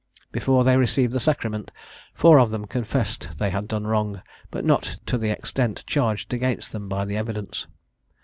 Before they received the sacrament, four of them confessed they had done wrong, but not to the extent charged against them by the evidence.